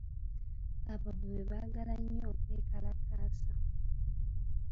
Abavubi baagala nnyo okwekalakaasa.